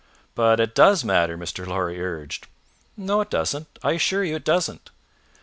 "But it does matter," Mr. Lorry urged. "No it doesn't; I assure you it doesn't.